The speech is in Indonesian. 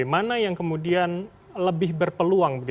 mana yang kemudian lebih berpeluang